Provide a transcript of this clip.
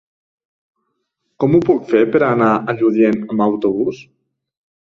Com ho puc fer per anar a Lludient amb autobús?